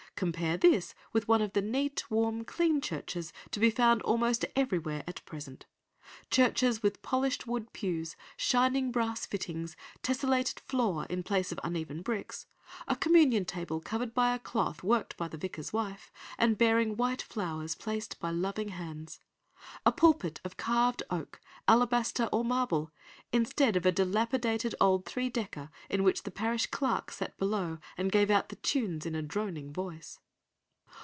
Compare this with one of the neat, warm, clean churches to be found almost everywhere at present; churches with polished wood pews, shining brass fittings, tessellated floor in place of uneven bricks, a communion table covered by a cloth worked by the vicar's wife, and bearing white flowers placed by loving hands. A pulpit of carved oak, alabaster, or marble, instead of a dilapidated old three decker in which the parish clerk sat below and gave out the tunes in a droning voice.